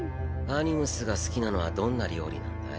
アニムスが好きなのはどんな料理なんだい？